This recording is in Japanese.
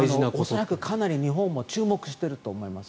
恐らくかなり日本も注目していると思います。